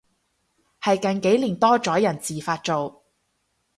係近幾年多咗人自發做